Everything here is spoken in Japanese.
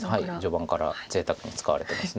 序盤からぜいたくに使われてます。